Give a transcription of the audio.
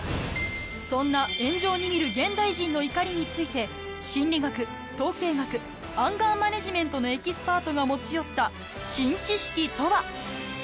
そんな炎上に見る現代人の怒りについて心理学統計学アンガーマネジメントのエキスパートが持ち寄った新知識とは？